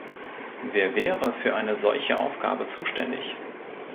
Wer wäre für eine solche Aufgabe zuständig?